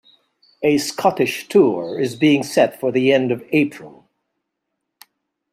A Scottish tour is being set for the end of April.